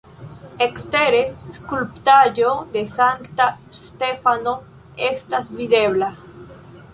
Ekstere skulptaĵo de Sankta Stefano estas videbla.